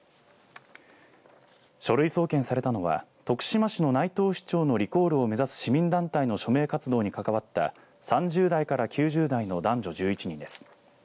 書類送検されたのは徳島市の内藤市長のリコールを目指す市民団体の署名活動に関わった３０代から９０代の男女１１人です。